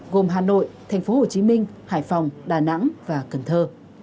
gồm hà nội thành phố hồ chí minh hải phòng đà nẵng và cần thơ